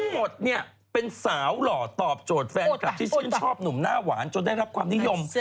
หมดเนี่ยเป็นสาวหล่อตอบโจทย์แฟนคลับที่ชื่นชอบหนุ่มหน้าหวานจนได้รับความนิยม